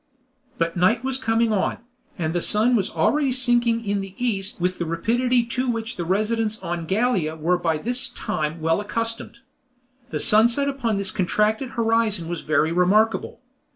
But night was coming on, and the sun was already sinking in the east with the rapidity to which the residents on Gallia were by this time well accustomed. The sunset upon this contracted horizon was very remarkable.